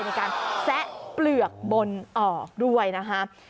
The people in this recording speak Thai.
มีการแซะเปลือกบนออกด้วยนะครับ